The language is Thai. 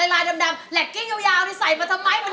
ลายดำแหลกกิ้งยาวนี่ใส่มาทำไมมัน